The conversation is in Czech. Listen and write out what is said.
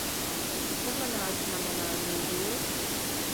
Co podle nás znamená new deal?